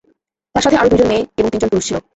তার সাথে আরো দুইজন মেয়ে এবং তিনজন পুরুষ ছিল।